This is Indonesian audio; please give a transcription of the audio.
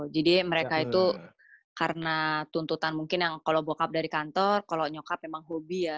jadi mereka itu karena tuntutan mungkin yang kalau bokap dari kantor kalau nyokap emang hobi ya